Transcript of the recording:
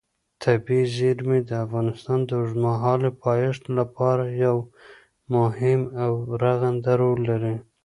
طبیعي زیرمې د افغانستان د اوږدمهاله پایښت لپاره یو مهم او رغنده رول لري.